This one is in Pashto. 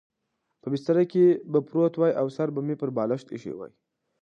په بستره کې به پروت وای او سر به مې پر بالښت اېښی و.